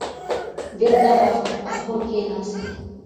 بېرته پر اخور کيناست.